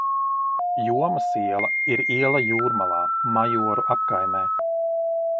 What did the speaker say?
Jomas iela ir iela Jūrmalā, Majoru apkaimē.